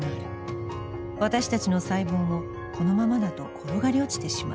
私たちの細胞もこのままだと転がり落ちてしまう。